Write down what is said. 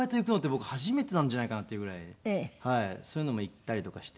僕初めてなんじゃないかなっていうぐらいそういうのも行ったりとかして。